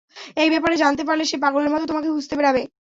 এই ব্যাপারে জানতে পারলে, সে পাগলের মত তোমাকে খুঁজে বেড়াবে।